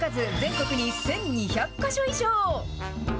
その数全国に１２００か所以上。